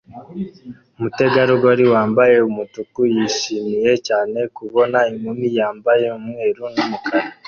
Umutegarugori wambaye umutuku yishimiye cyane kubona inkumi yambaye umweru n'umukara